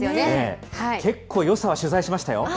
結構よさは取材しましたよ。